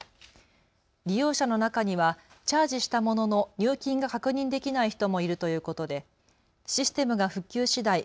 利用者の中にはチャージしたものの入金が確認できない人もいるということでシステムが復旧しだい